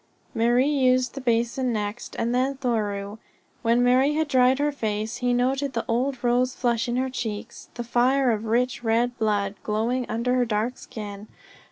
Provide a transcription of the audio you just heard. Marie used the basin next, and then Thoreau. When Marie had dried her face he noted the old rose flush in her cheeks, the fire of rich, red blood glowing under her dark skin.